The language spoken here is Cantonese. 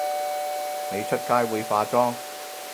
你出街會化妝？